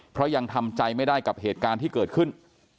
เพราะยังทำใจไม่ได้กับเหตุการณ์ที่เกิดขึ้น